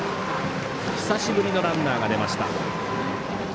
久しぶりのランナーが出ました。